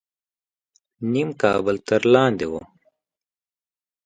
نیم کابل تر لاندې و.